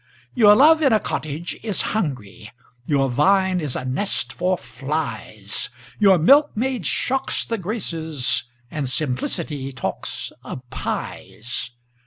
Your love in a cottage is hungry, Your vine is a nest for flies Your milkmaid shocks the Graces, And simplicity talks of pies!